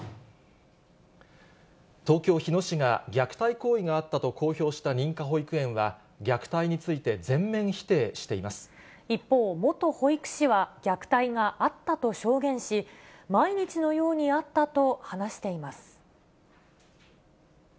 東京・日野市が、虐待行為があったと公表した認可保育園は、一方、元保育士は虐待があったと証言し、毎日のようにあったと話しています。